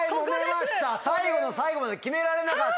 最後の最後まで決められなかった。